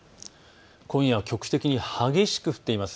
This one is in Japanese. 今夜は局地的に激しく降っています。